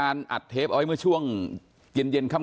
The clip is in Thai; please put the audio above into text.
ตำรวจบอกว่าภายในสัปดาห์เนี้ยจะรู้ผลของเครื่องจับเท็จนะคะ